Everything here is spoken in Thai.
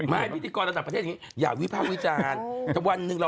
ไม่เขาบอกว่าพี่อ่ะหลับอยู่แปปนึง